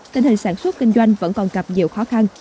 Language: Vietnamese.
tình hình sản xuất kinh doanh vẫn còn gặp nhiều khó khăn